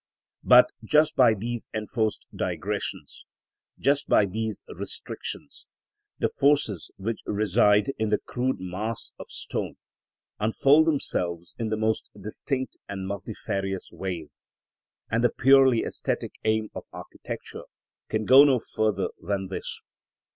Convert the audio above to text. But just by these enforced digressions, just by these restrictions, the forces which reside in the crude mass of stone unfold themselves in the most distinct and multifarious ways; and the purely æsthetic aim of architecture can go no further than this.